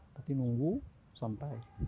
tapi nunggu sampai